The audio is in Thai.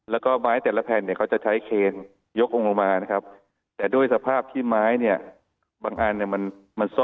แล้วก็ไม้แต่ละแผ่นเนี่ยเขาจะใช้เคนยกออกมานะครับ